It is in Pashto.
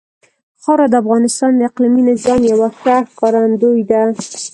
خاوره د افغانستان د اقلیمي نظام یوه ښه ښکارندوی ده.